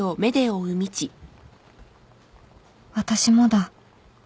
私もだ